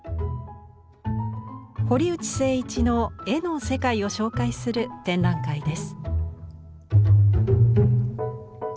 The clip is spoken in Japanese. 堀内誠一の絵の世界を紹介する展覧会です。